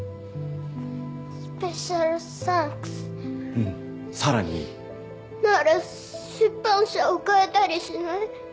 うんさらにいいなら出版社を変えたりしない？